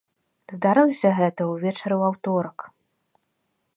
Здарылася гэта ўвечары ў аўторак.